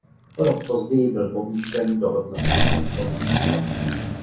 O rok později byl povýšen do hodnosti podporučíka.